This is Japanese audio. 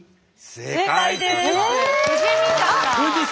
正解です。